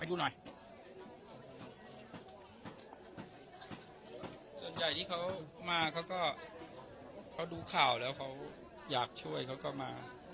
ส่วนใหญ่ที่เขามาเขาก็เขาดูข่าวแล้วเขาอยากช่วยเขาก็มา